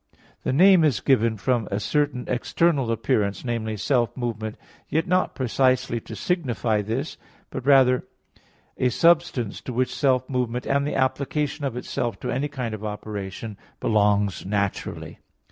The name is given from a certain external appearance, namely, self movement, yet not precisely to signify this, but rather a substance to which self movement and the application of itself to any kind of operation, belong naturally.